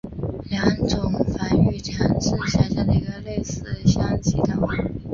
良种繁育场是下辖的一个类似乡级单位。